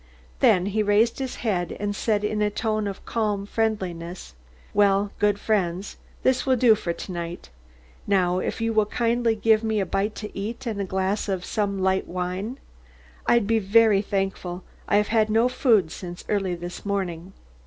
Then he raised his head and said, in a tone of calm friendliness: "Well, good friends, this will do for to night. Now, if you will kindly give me a bite to eat and a glass of some light wine, I'd be very thankful. I have had no food since early this morning."